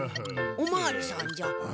おまわりさんじゃ。